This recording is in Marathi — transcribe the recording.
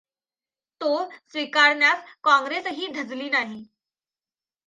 तो स्वीकारण्यास काँग्रेसही धजली नाही.